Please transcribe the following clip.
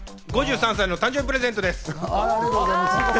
５３歳の誕生日プレゼントです。